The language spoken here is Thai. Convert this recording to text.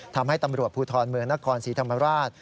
ทำให้ตำรวจภูทรเมืองนครศรีธรรมราช